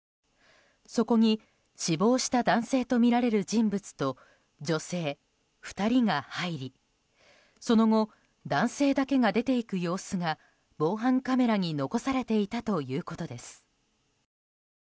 そこに死亡した男性とみられる人物と女性２人が入りその後男性だけが出ていく様子が防犯カメラに残されていたということです。